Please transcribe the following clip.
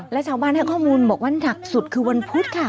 และชาวบ้านให้ข้อมูลบอกว่าหนักสุดคือวันพุธค่ะ